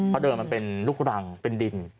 เพราะเดิมมันเป็นลูกรังเป็นดิน